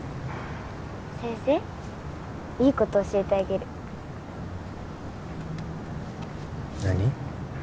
先生いいこと教えてあげる何？